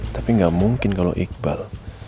tapi nggak mungkin kalau iqbal